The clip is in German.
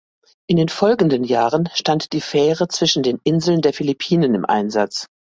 In den folgenden Jahren stand die Fähre zwischen den Inseln der Philippinen im Einsatz.